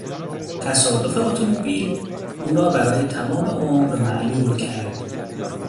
تصادف اتومبیل او را برای تمام عمر معلول کرد.